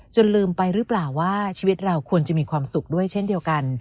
ลืมไปหรือเปล่าว่าชีวิตเราควรจะมีความสุขด้วยเช่นเดียวกัน